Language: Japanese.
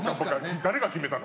誰が決めたの？